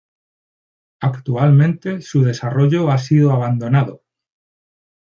Actualmente, su desarrollo ha sido abandonado.